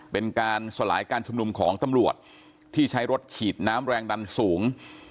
เป็นการสลายการชุมนุมของตำรวจที่ใช้รถฉีดน้ำแรงดันสูง